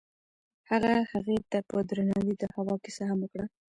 هغه هغې ته په درناوي د هوا کیسه هم وکړه.